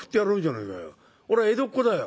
俺は江戸っ子だよ。